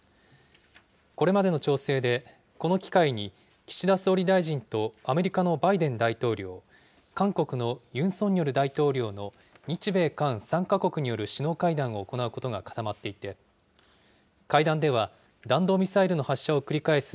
これまでの調整で、この機会に岸田総理大臣とアメリカのバイデン大統領、韓国のユン・ソンニョル大統領の日米韓３か国による首脳会談を行うことが固まっていて、会談では、弾道ミサイルの発射を繰り返す